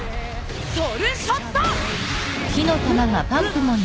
ソルショット！ん！？